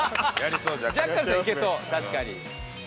ジャッカルさんいけそう確かに。